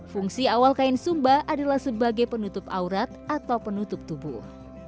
fungsi awal kain sumba adalah sebagai penutup aurat atau penutup tubuh